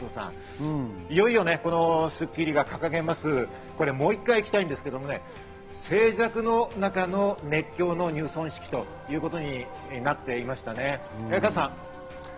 いよいよ『スッキリ』が掲げます、もう一回行きたいんですけどね、静寂の中の熱狂の入村式ということになりましたね。